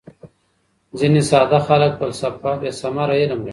ځیني ساده خلک فلسفه بېثمره علم ګڼي.